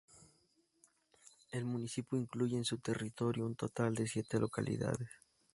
El municipio incluye en su territorio un total de siete localidades.